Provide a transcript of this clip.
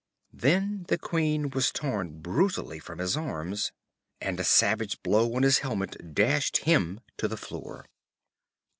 Then the queen was torn brutally from his arms, and a savage blow on his helmet dashed him to the floor.